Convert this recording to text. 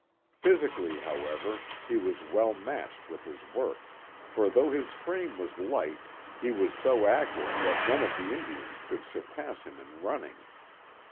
Physically, however, he was well matched with his work; for though his frame was light, he was so active that none of the Indians could surpass him in running.